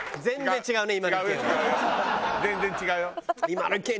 全然違うね